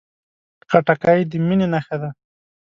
خټکی د مینې نښه ده.